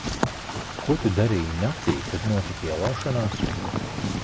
Ko tu darīji naktī, kad notika ielaušanās?